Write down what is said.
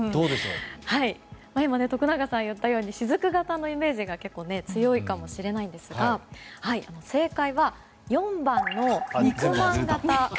今、徳永さんが言ったようにしずく型のイメージが結構強いかもしれないんですが正解は、４番の肉まん形。